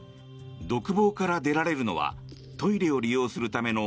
独房から出られるのはトイレを利用するための